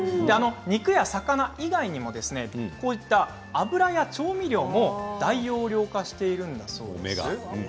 肉や魚以外でもこういった油や調味料も大容量化しているんだそうです。